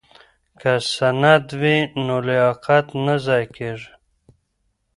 که سند وي نو لیاقت نه ضایع کیږي.